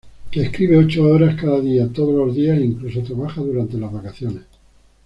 Escribe ocho horas cada día, todos los días, e incluso trabaja durante las vacaciones.